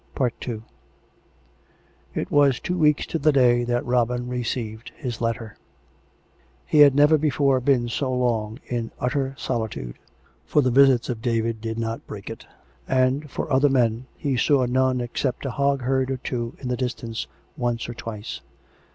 II It was two weeks to the day that Robin received his letter. He had never before been so long in utter solitude; for the visits of David did not break it; and, for other men, he saw none except a hog herd or two in the distance once or twice.